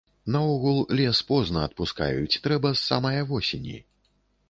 Наогул, лес позна адпускаюць, трэба з самае восені.